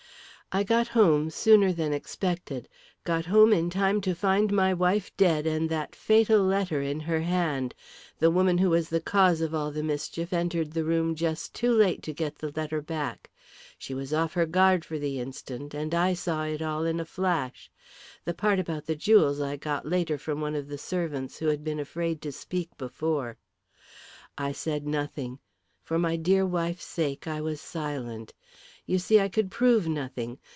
"I got home sooner than expected, got home in time to find my wife dead and that fatal letter in her hand. The woman who was the cause of all the mischief entered the room just too late to get the letter back. She was off her guard for the instant, and I saw it all in a flash. The part about the jewels I got later from one of the servants who had been afraid to speak before. "I said nothing for my dear wife's sake I was silent. You see I could prove nothing.